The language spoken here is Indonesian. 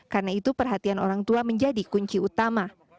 karena itu perhatian orang tua menjadi kunci utama